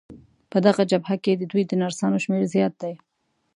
په دغه جبهه کې د دوی د نرسانو شمېر زیات دی.